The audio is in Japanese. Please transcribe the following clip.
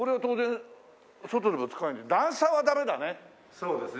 そうですね